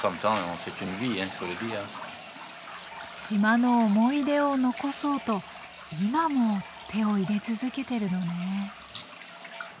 島の思い出を残そうと今も手を入れ続けてるのね。